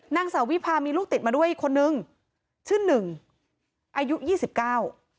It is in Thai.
นางสาววิพามีลูกติดมาด้วยคนนึงชื่อหนึ่งอายุยี่สิบเก้า